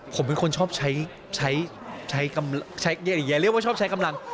ผมเป็นคนชอบใช้อย่าเรียกว่าชอบใช้กำลัง